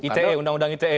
ite undang undang ite